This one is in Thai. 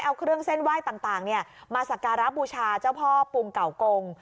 เอาเครื่องเส้นไหว้ต่างต่างเนี่ยมาสักการรับบุชาเจ้าพ่อปุงเก่าโกง